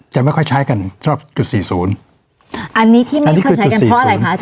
จะไม่ค่อยใช้กันสำหรับจุดสี่ศูนย์อันนี้ที่ไม่ค่อยใช้กันเพราะอะไรคะอาจา